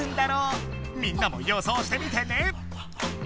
みんなも予想してみてね！